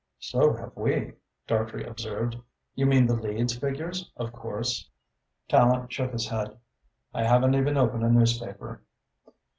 "So have we," Dartrey observed. "You mean the Leeds figures, of course?" Tallente shook his head. "I haven't even opened a newspaper."